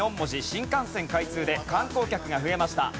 新幹線開通で観光客が増えました。